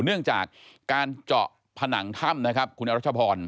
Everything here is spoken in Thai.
เนื่องจากการเจาะผนังถ้ำนะครับคุณอรัชพร